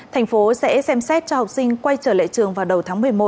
thành phố sẽ xem xét cho học sinh quay trở lại trường vào đầu tháng một mươi một